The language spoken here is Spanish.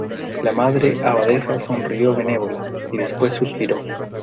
la Madre Abadesa sonrió benévola, y después suspiró: